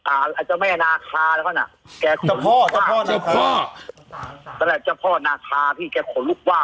อาจจะแม่นาคาแล้วก็น่ะแกจะพ่อจะพ่อนาคา